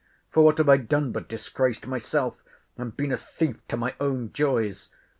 For what have I done but disgraced myself, and been a thief to my own joys?